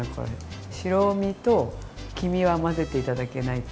白身と黄身は混ぜて頂けないと。